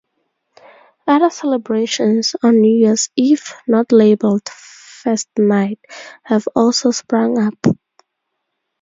Other celebrations on New Year's Eve, not labeled "First Night", have also sprung up.